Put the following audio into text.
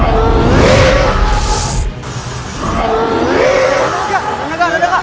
kali ini kita akan melakukan pembahasan perbedaan dipodcast